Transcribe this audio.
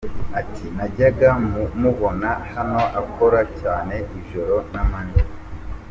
Ati “Najyaga mubona hano akora cyane ijoro n’amanywa.